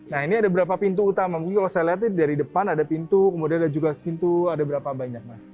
nah ini ada berapa pintu utama mungkin kalau saya lihat ini dari depan ada pintu kemudian ada juga pintu ada berapa banyak mas